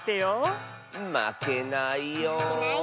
まけないよ。